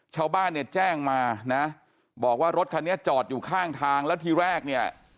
ชาวบ้านเนี่ยแจ้งมานะบอกว่ารถคันนี้จอดอยู่ข้างทางแล้วทีแรกเนี่ย